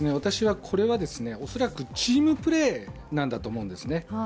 これは恐らくチームプレーなんだと思うんですね。